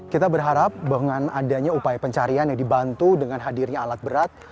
kita berharap dengan adanya upaya pencarian yang dibantu dengan hadirnya alat berat